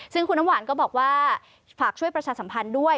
ซึ่งคุณน้ำหวานก็บอกว่าฝากช่วยประชาสัมพันธ์ด้วย